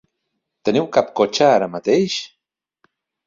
Teniu cap cotxe ara mateix?